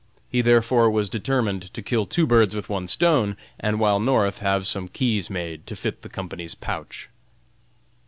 He therefore was determined to kill two birds with one stone, and while North have some keys made to fit the company's pouch.